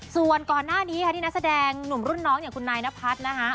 ส่วนก่อนหน้านี้ค่ะที่นักแสดงหนุ่มรุ่นน้องอย่างคุณนายนพัฒน์นะคะ